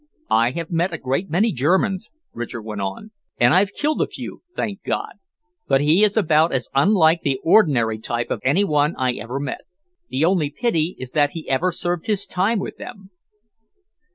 I have met a great many Germans," Richard went on, "and I've killed a few, thank God! but he is about as unlike the ordinary type as any one I ever met. The only pity is that he ever served his time with them."